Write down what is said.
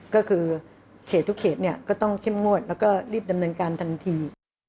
ก็คือเขตทุกเขตก็ต้องเข้มงวดแล้วก็รีบดำเนินการทันที